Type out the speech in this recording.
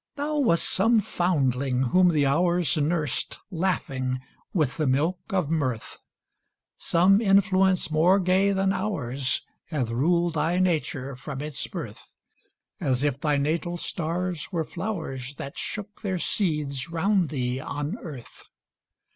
Thou wast some foundling whom the Hours Nursed, laughing, with the milk of Mirth; Some influence more gay than ours Hath ruled thy nature from its birth, As if thy natal stars were flowers That shook their seeds round thee on earth.